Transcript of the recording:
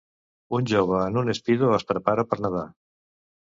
Un jove en un Speedo es prepara per nedar